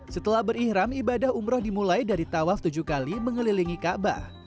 setelah berikhram ibadah umroh dimulai dari tawaf tujuh kali mengelilingi kaabah